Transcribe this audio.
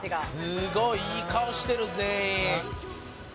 すごいいい顔してる全員。